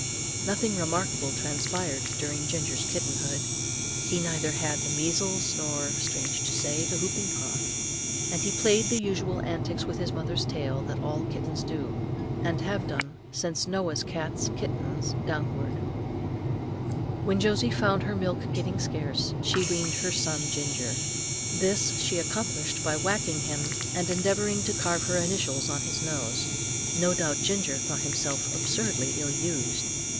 Nothing remarkable transpired during Ginger's kittenhood. He neither had the measles, nor, strange to say, the hooping cough; and he played the usual antics with his mother's tail that all kittens do, and have done, since Noah's cats' kittens downwards. When Josie found her milk getting scarce, she weaned her son Ginger; this she accomplished by whacking him, and endeavouring to carve her initials on his nose. No doubt Ginger thought himself absurdly ill used.